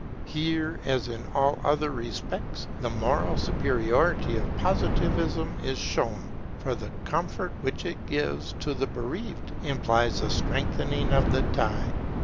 Here, as in all other respects, the moral superiority of Positivism is shown, for the comfort which it gives to the bereaved implies a strengthening of the tie.